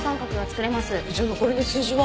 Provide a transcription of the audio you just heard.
じゃあ残りの数字は？